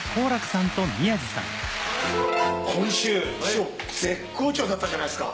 今週師匠絶好調だったじゃないですか。